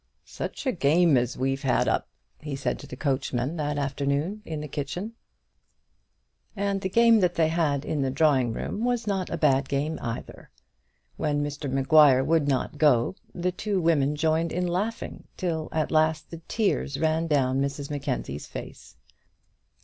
"Such a game as we've had up!" he said to the coachman that afternoon in the kitchen. And the game that they had in the drawing room was not a bad game either. When Mr Maguire would not go, the two women joined in laughing, till at last the tears ran down Mrs Mackenzie's face.